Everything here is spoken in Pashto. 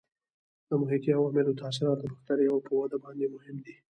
د محیطي عواملو تاثیرات د بکټریاوو په وده باندې مهم دي.